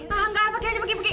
enggak pergi aja pergi